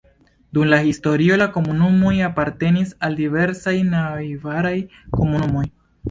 Dum la historio la komunumoj apartenis al diversaj najbaraj komunumoj.